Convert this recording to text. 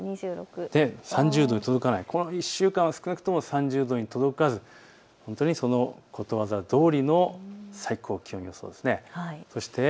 ３０度に届かない、この１週間は少なくとも３０度に届かずことわざどおりの最高気温予想です。